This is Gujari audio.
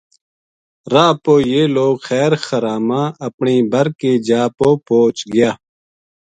راہ پو یہ لوک خیر خرام اپنی بر کی جا پو پوہچ گیا